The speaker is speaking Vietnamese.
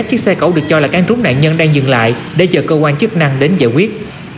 chiếc xe cẩu được cho là can trúng nạn nhân đang dừng lại để chờ cơ quan chức năng đến giải quyết